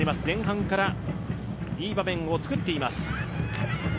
前半からいい場面を作っています。